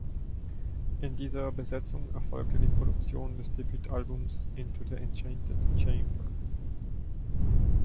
In dieser Besetzung erfolgte die Produktion des Debütalbums "„Into The Enchanted Chamber“".